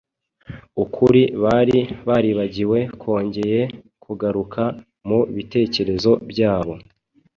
Ukuri bari baribagiwe kongeye kugaruka mu bitekerezo byabo